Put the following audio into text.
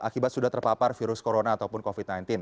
akibat sudah terpapar virus corona ataupun covid sembilan belas